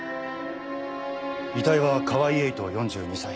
遺体は河合栄人４２歳。